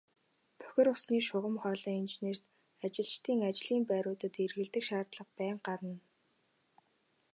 Бохир усны шугам хоолойн инженерт ажилчдын ажлын байруудаар эргэлдэх шаардлага байнга гарна.